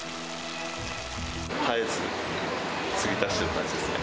絶えず継ぎ足してる感じです